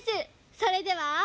それでは。